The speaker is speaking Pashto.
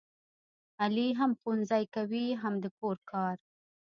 علي هم ښوونځی کوي هم د کور کار.